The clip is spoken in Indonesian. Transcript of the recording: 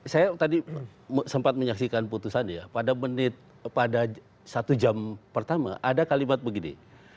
saya tadi sempat menyaksikan putusan ya pada satu jam pertama ada kalimat begini